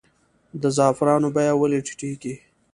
د زعفرانو بیه ولې ټیټیږي؟